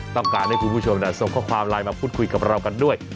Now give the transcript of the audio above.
ต้องการให้คุณผู้ชมส่งข้อความไลน์มาพูดคุยกับเรากันด้วย